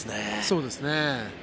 そうですね。